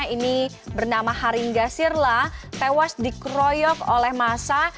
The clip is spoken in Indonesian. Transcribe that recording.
ini bernama haringa sirla tewas di kroyok oleh masa